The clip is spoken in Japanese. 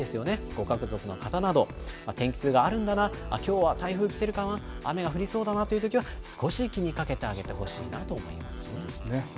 ご家族の方など、天気痛があるんだな、きょうは台風来てるかな、雨が降りそうだなというときは、少し気にかけてあげてほしいなと思いますね。